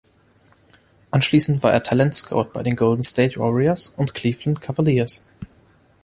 Anschließend war er Talentscout bei den Golden State Warriors und Cleveland Cavaliers.